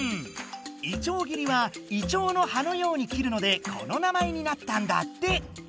「いちょう切り」はいちょうの葉のように切るのでこの名前になったんだって！